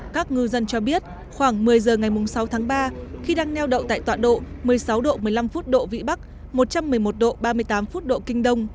các ngư dân cho biết khoảng một mươi giờ ngày sáu tháng ba khi đang neo đậu tại toạn độ một mươi sáu độ một mươi năm phút độ vĩ bắc một trăm một mươi một độ ba mươi tám phút độ kinh đông